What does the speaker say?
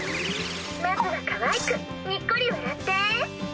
まずはかわいくニッコリ笑って！